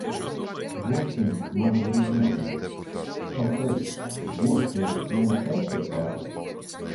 Gosniņ, mana brūnaliņa... Okei, gosniņ, mana tetrapaka!